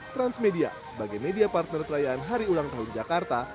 transmedia sebagai media partner perayaan hari ulang tahun jakarta